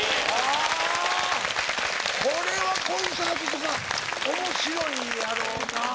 これはコンサートとか面白いんやろうな。